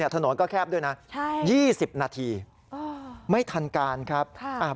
ถนนก็แคบด้วยนะ๒๐นาทีไม่ทันการครับ